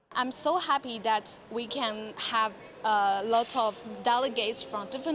saya sangat senang bahwa kita dapat memiliki banyak delegasi dari negara negara berbeda